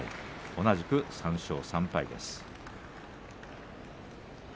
同じく３勝３敗です。